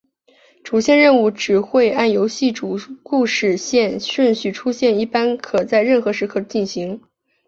主线任务只会按游戏主故事线顺序出现一般可在任何时刻进行。